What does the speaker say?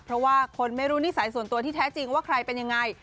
เพราะว่าคนไม่รู้นิสัยส่วนตัวที่แท้จริงว่าใครเป็นยังไง